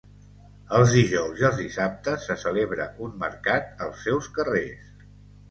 Els dijous i els dissabtes se celebra un mercat als seus carrers.